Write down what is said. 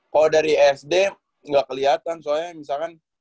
kalo dari sd gak keliatan soalnya misalkan